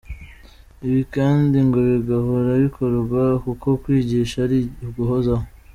Ibi kandi ngo bigahora bikorwa kuko kwigisha ari uguhozaho.